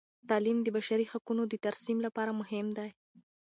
تعلیم د بشري حقونو د ترسیم لپاره مهم دی.